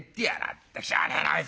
ったくしゃあねえなあいつは。